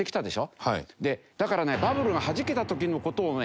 だからねバブルがはじけた時の事をね